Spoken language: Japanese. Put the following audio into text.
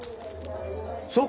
そう？